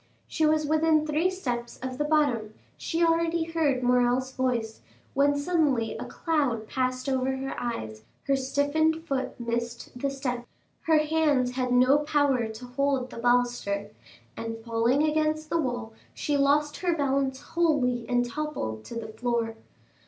She was within three steps of the bottom; she already heard Morrel's voice, when suddenly a cloud passed over her eyes, her stiffened foot missed the step, her hands had no power to hold the baluster, and falling against the wall she lost her balance wholly and toppled to the floor.